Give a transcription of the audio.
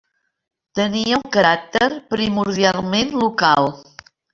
Tenia un caràcter primordialment local.